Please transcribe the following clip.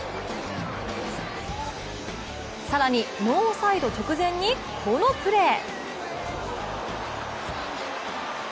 更にノーサイド直前にこのプレー。